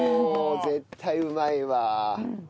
絶対うまいわ。